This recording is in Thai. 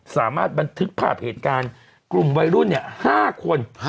สามารถบันทึกภาพเหตุการณ์กลุ่มวัยรุ่น๕คน